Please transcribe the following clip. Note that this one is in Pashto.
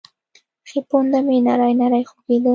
ښۍ پونده مې نرۍ نرۍ خوږېده.